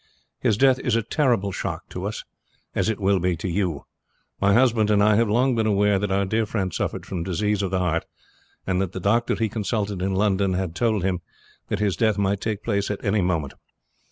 "His death is a terrible shock to us, as it will be to you. My husband and myself have long been aware that our dear friend suffered from disease of the heart, and that the doctor he consulted in London had told him that his death might take place at any moment.